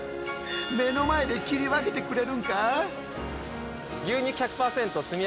目の前で切り分けてくれるんか？